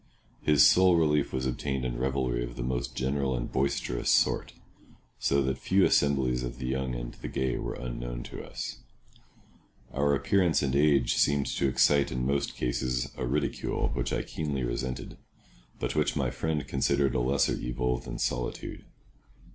His sole relief was obtained in revelry of the most general and boisterous sort; so that few assemblies of the young and the gay were unknown to us. Our appearance and age seemed to excite in most cases a ridicule which I keenly resented, but which my friend considered a lesser evil than solitude.